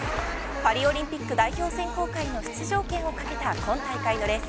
パリオリンピック代表選考会の出場権をかけた今大会のレース。